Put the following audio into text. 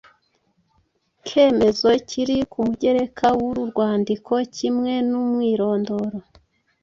kemezo kiri ku mugereka w’uru rwandiko kimwe n’umwirondoro